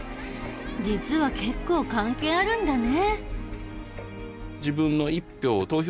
実は結構関係あるんだね。